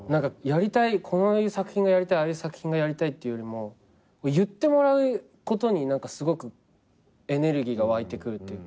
こういう作品がやりたいああいう作品がやりたいっていうよりも言ってもらうことにすごくエネルギーが湧いてくるっていうか。